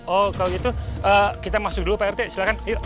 oh kalau gitu kita masuk dulu pak rt silahkan